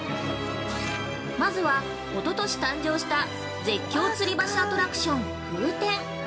まずは、おととし誕生した絶叫吊り橋アトラクション「風天」